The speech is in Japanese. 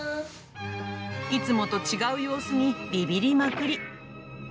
いつもと違う様子に、びびりまくり。